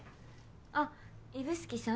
あっ指宿さん？